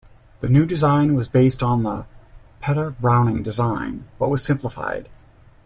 The new design was based on the Petter-Browning design but was simplified.